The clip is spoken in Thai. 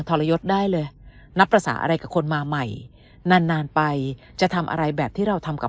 ทรยศได้เลยนับภาษาอะไรกับคนมาใหม่นานนานไปจะทำอะไรแบบที่เราทำกับ